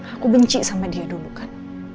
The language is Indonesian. aku benci sama dia dulu kan